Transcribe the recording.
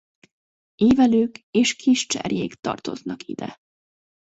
Évelők és kis cserjék tartoznak ide.